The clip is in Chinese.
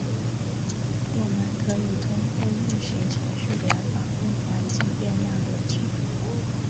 我们可以通过运行程序来访问环境变量的值。